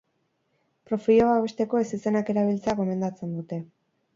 Profila babesteko ezizenak erabiltzea gomendatzen dute.